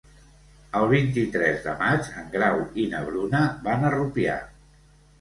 El vint-i-tres de maig en Grau i na Bruna van a Rupià.